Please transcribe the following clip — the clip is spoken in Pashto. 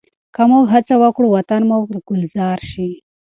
که موږ هڅه وکړو، وطن به مو ګلزار شي.